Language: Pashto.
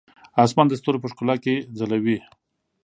اسمان د ستورو په ښکلا کې ځلوي.